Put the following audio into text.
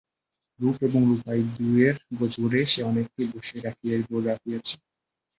রূপ এবং রূপা এই দুয়ের জোরে সে অনেককে বশে রাখিয়াছে।